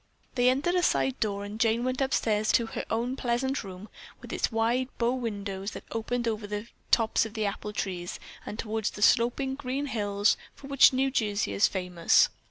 They entered a side door and Jane went upstairs to her own pleasant room with its wide bow windows that opened out over the tops of the apple trees and toward the sloping green hills for which New Jersey is famous.